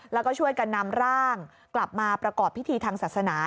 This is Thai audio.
แล้วก็ช่วยกันนำร่างกลับมาประกอบพิธีทางศาสนา